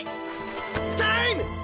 タイム！